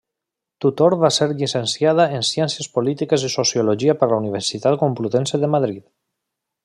Tutor va ser Llicenciada en Ciències Polítiques i Sociologia per la Universitat Complutense de Madrid.